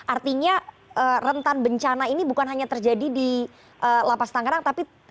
artinya rentan bencana ini bukan hanya terjadi di lapas tangerang tapi